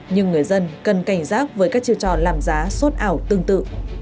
nhưng người dân cần cảnh giác với các chiều tròn làm giá sốt ảo tương tự